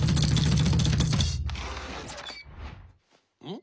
ん？